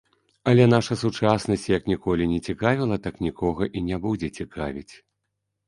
Але нашая сучаснасць, як ніколі не цікавіла, так нікога і не будзе цікавіць.